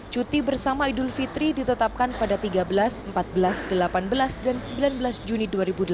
cuti bersama idul fitri ditetapkan pada tiga belas empat belas delapan belas dan sembilan belas juni dua ribu delapan belas